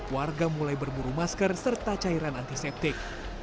warga mulai berburu masker serta cairan antiseptik